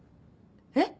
えっ？